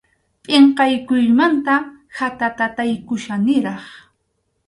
Pʼinqakuymanta khatatataykuchkaniraq.